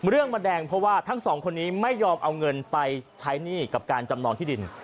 เรื่องมันแดงเพราะว่าทั้งสองคนนี้ไม่ยอมเอาเงินไปใช้หนี้กับการจำนองที่ดิน